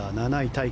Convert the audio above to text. タイ